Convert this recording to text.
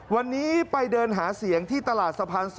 วันนี้ไปเดินหาเสียงที่ตลาดสะพาน๒